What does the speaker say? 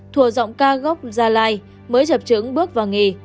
thùa giọng ca gốc gia lai mới chập trứng bước vào nghỉ